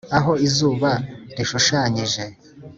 aho izuba rishushanyije